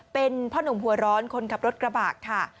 เป็นพ่อหนุ่มหัวร้อนคนขับรถกระบะค่ะ